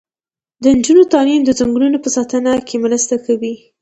د نجونو تعلیم د ځنګلونو په ساتنه کې مرسته کوي.